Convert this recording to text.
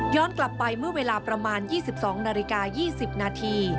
กลับไปเมื่อเวลาประมาณ๒๒นาฬิกา๒๐นาที